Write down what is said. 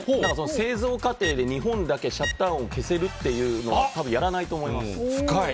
製造過程で、日本だけシャッター音消せるっていうの、たぶんやらないと思いま深い。